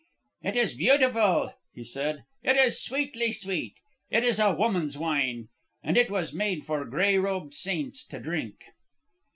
"It is beautiful," he said. "It is sweetly sweet. It is a woman's wine, and it was made for gray robed saints to drink."